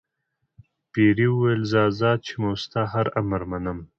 پیري وویل زه آزاد شوم او ستا هر امر منم.